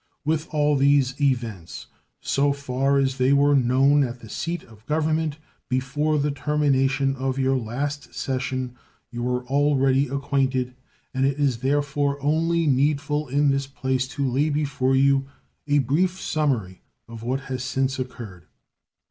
With all these events so far as they were known at the seat of Government before the termination of your last session you are already acquainted, and it is therefore only needful in this place to lay before you a brief summary of what has since occurred.